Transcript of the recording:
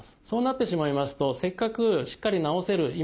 そうなってしまいますとせっかくしっかり治せる